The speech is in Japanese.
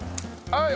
はい！